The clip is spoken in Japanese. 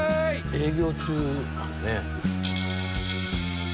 営業中やんね？